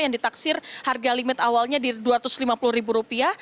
yang ditaksir harga limit awalnya di dua ratus lima puluh ribu rupiah